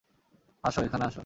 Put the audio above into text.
আসো, এখানে আসো।